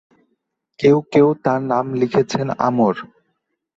কেউ কেউ তাঁর নাম লিখেছেন আমর।